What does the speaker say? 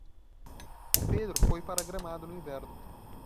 O Pedro foi para Gramado no inverno.